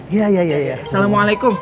iya iya assalamualaikum